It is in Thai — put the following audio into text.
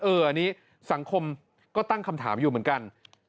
อันนี้สังคมก็ตั้งคำถามอยู่เหมือนกัน